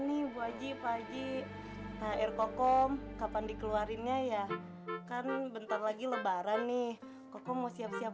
nih bu aji pak aji air kokom kapan dikeluarin ya ya kan bentar lagi lebaran nih kokom mau siap siap